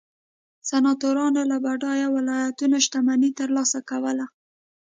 سناتورانو له بډایو ولایتونو شتمني ترلاسه کوله